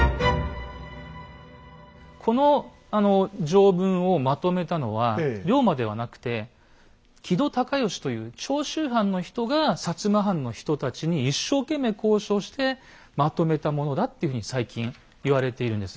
この条文をまとめたのは龍馬ではなくて木戸孝允という長州藩の人が摩藩の人たちに一生懸命交渉してまとめたものだというふうに最近言われているんです。